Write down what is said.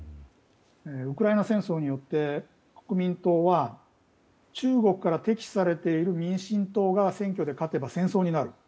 ウクライナ戦争によって国民党は中国から敵視されている民進党が選挙で勝てば戦争になる。